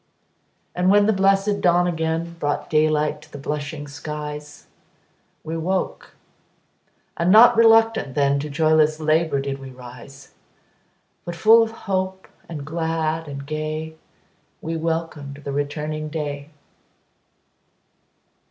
And when the blessed dawn again Brought daylight to the blushing skies, We woke, and not RELUCTANT then, To joyless LABOUR did we rise; But full of hope, and glad and gay, We welcomed the returning day.